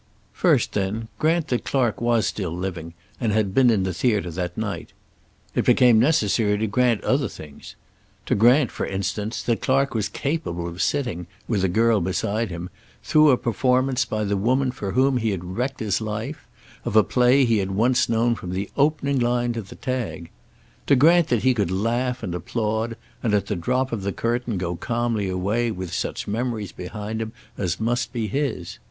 First then, grant that Clark was still living and had been in the theater that night. It became necessary to grant other things. To grant, for instance, that Clark was capable of sitting, with a girl beside him, through a performance by the woman for whom he had wrecked his life, of a play he had once known from the opening line to the tag. To grant that he could laugh and applaud, and at the drop of the curtain go calmly away, with such memories behind him as must be his.